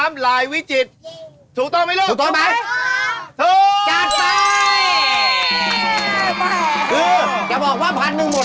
มันจะมีรุ่นภาพอะเออ